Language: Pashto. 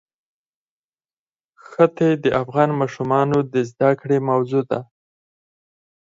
ښتې د افغان ماشومانو د زده کړې موضوع ده.